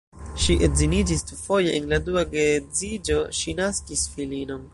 Ŝi edziniĝis dufoje, en la dua geedziĝo ŝi naskis filinon.